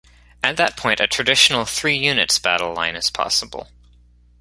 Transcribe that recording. At that point a traditional 'three units' battle line is possible.